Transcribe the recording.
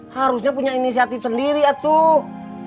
harusnya punya inisiatif sendiri eh tuh